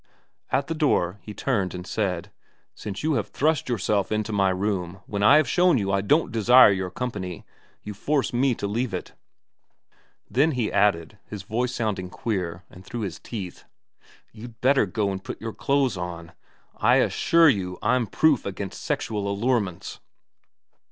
At the door he turned and said, ' Since you thrust yourself into my room when I have shown you I don't desire your company you force me to leave it.' Then he added, his voice sounding queer and through his teeth, ' You'd better go and put your clothes on. I assure you I'm proof against sexual allurements.'